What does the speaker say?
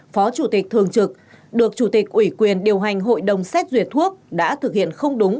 phó chủ tịch thường trực được chủ tịch ủy quyền điều hành hội đồng xét duyệt thuốc đã thực hiện không đúng